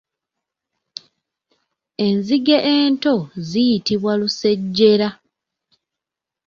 Enzige ento ziyitibwa Lusejjera.